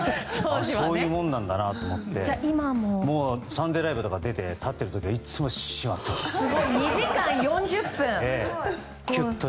そういうものなんだなと思って「サンデーＬＩＶＥ！！」出て立っている時はいつも締まっています。